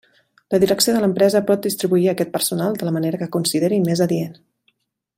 La direcció de l'empresa pot distribuir aquest personal de la manera que consideri més adient.